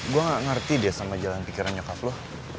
gue gak ngerti deh sama jalan pikiran nyokap lo